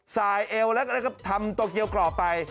เอวแล้วก็ทำโตเกียวกรอบไป